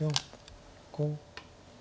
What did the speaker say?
５。